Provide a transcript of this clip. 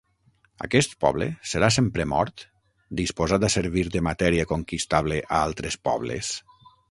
Aquest poble, serà sempre mort, disposat a servir de matèria conquistable a altres pobles?